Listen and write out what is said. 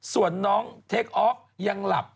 ส่วนน้องเทคออฟยังหลับ